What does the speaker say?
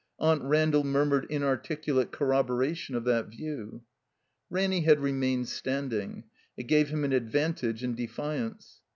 Aunt RandaU murmured inarticulate corroboration of that view. Ranny had remained standing. It gave Him an advantage in defiance.